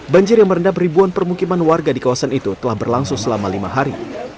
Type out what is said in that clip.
banjir yang merendam ribuan permukiman warga di kawasan itu telah berlangsung selama lima hari